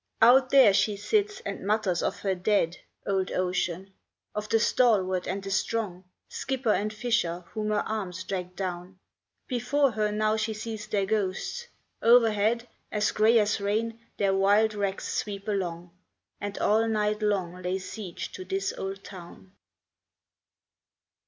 Out there she sits and mutters of her dead, Old Ocean; of the stalwart and the strong, Skipper and fisher whom her arms dragged down: Before her now she sees their ghosts; o'erhead, As gray as rain, their wild wrecks sweep along, And all night long lay siege to this old town.